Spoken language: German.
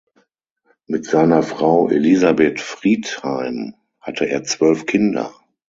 Mit seiner Frau "Elizabeth Friedheim" hatte er zwölf Kinder.